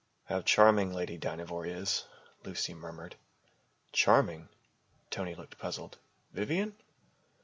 "How charming Lady Dynevor is," Lucy murmured. "Charming?" Tony looked puzzled. "Vivian?"